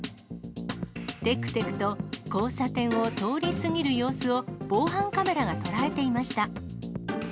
てくてくと交差点を通り過ぎる様子を、防犯カメラが捉えていました。